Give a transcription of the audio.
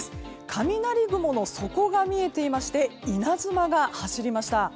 雷雲の底が見えていまして稲妻が走りました。